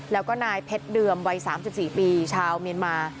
แล้วก็นายเพชรเดิมวัย๓๔ปีชาวเมียนมา